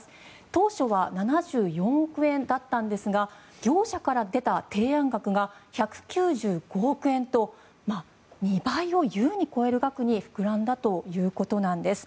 当初は７４億円だったんですが業者から出た提案額が１９５億円と２倍を優に超える額に膨らんだということなんです。